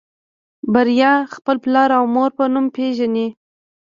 بريا خپل پلار او مور په نوم پېژني.